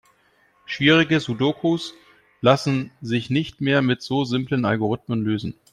Schwierige Sudokus lassen sich nicht mehr mit so simplen Algorithmen lösen.